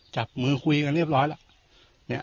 จับมือคุยกันเรียบร้อยแล้ว